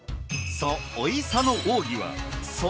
そのおいしさの奥義は。